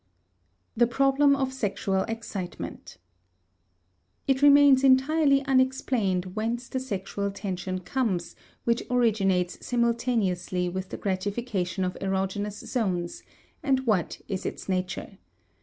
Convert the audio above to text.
THE PROBLEM OF SEXUAL EXCITEMENT It remains entirely unexplained whence the sexual tension comes which originates simultaneously with the gratification of erogenous zones and what is its nature.